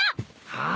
はあ？